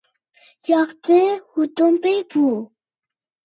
ياخشى ھۇجۇمچى بۇ.